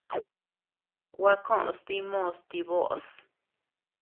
Gua koʼös dimos ti böʼos.